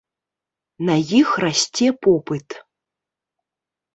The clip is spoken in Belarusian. На іх расце попыт.